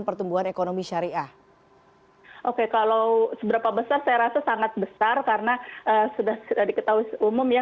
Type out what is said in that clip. pertumbuhan ekonomi syariah oke kalau seberapa besar saya rasa sangat besar karena sudah diketahui umum ya